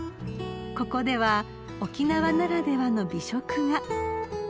［ここでは沖縄ならではの美食が］